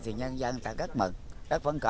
thì nhân dân ta rất mừng